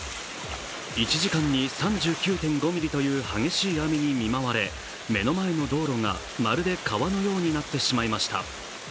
１時間に３９．５ミリという激しい雨に見舞われ目の前の道路がまるで川のようになってしまいました。